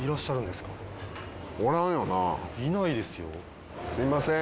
すみません。